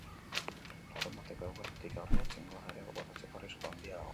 Larunbateko eguerditik aurrera, txingorra ere botatzeko arrisku handia dago.